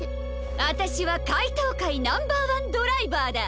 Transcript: あたしはかいとうかいナンバーワンドライバーだ。